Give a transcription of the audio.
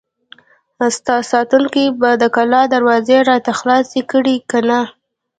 ساتونکي به د کلا دروازه راته خلاصه کړي که نه!